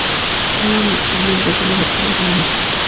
Utiliza ambientaciones nocturnas y manieristas.